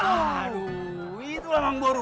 aduh itulah mang boru